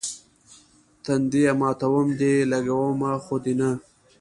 تنديه ماتوم دي، لګومه خو دې نه.